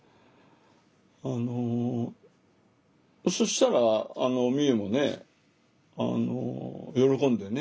あのそしたら美夢もね喜んでね。